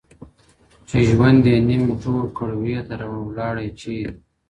چي ژوند یې نیم جوړ کړ _ وې دراوه _ ولاړئ چیري _